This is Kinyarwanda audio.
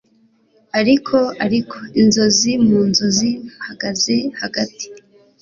Ari ariko inzozi mu nzozi Mpagaze hagati